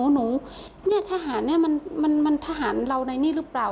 หนูนี่ทหารมันทหารเราในนี่หรือเปล่า